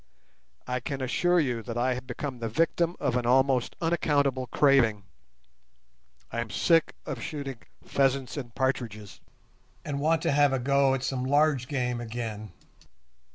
I can assure you I have become the victim of an almost unaccountable craving. I am sick of shooting pheasants and partridges, and want to have a go at some large game again.